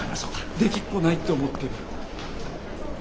できっこないって思ってる。